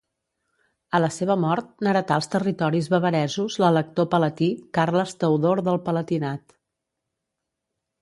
A la seva mort n'heretà els territoris bavaresos l'elector palatí, Carles Teodor del Palatinat.